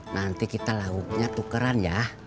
nanti kita lauknya tukeran ya